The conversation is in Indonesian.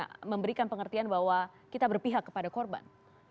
dan memberikan pengertian bahwa kita berpihak kepada korban